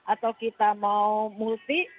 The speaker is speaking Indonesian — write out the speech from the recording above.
atau kita mau multi